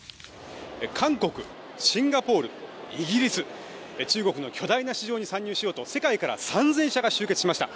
「韓国・シンガポールイギリス中国の巨大な市場に参入しようと世界から３０００社が集まりました。